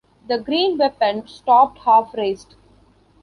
The green weapon stopped half raised.